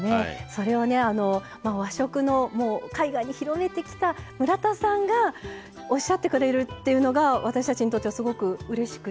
それをね和食のもう海外に広めてきた村田さんがおっしゃってくれるというのが私たちにとってはすごくうれしくて。